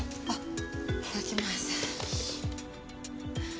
あっ！